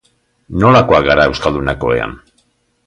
Nolakoak gara euskaldunak ohean?